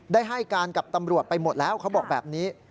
ได้ให้การกับตำรวจไปหมดแล้วเขาบอกแบบนี้